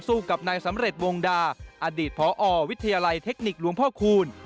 กับนายสำเร็จวงดาอดีตพอวิทยาลัยเทคนิคหลวงพ่อคูณ